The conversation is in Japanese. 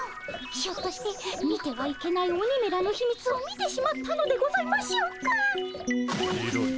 ひょっとして見てはいけない鬼めらのひみつを見てしまったのでございましょうか？